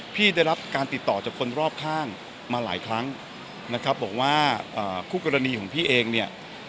ได้รับการติดต่อจากคนรอบข้างมาหลายครั้งนะครับบอกว่าคู่กรณีของพี่เองเนี่ย